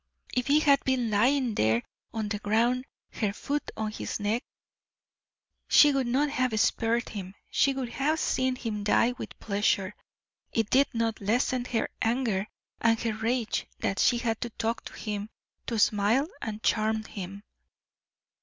If he had been lying there on the ground, her foot on his neck, she would not have spared him. She would have seen him die with pleasure. It did not lessen her anger and her rage that she had to talk to him, to smile, and charm him.